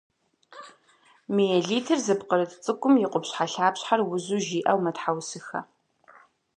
Миелитыр зыпкърыт цӏыкӏум и къупщхьэлъапщхьэр узу жиӏэу мэтхьэусыхэ.